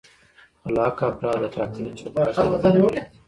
خلاق افراد له ټاکلي چوکاټ څخه تښتي.